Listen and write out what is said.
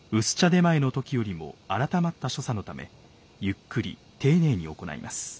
薄茶点前の時よりも改まった所作のためゆっくり丁寧に行います。